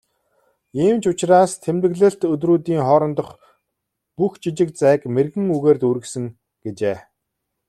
"Ийм ч учраас тэмдэглэлт өдрүүдийн хоорондох бүх жижиг зайг мэргэн үгээр дүүргэсэн" гэжээ.